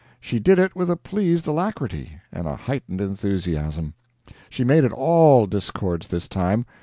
She did it with a pleased alacrity and a heightened enthusiasm. She made it ALL discords, this time.